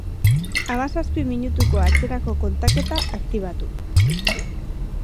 Hamazazpi minutuko atzerako kontaketa aktibatu.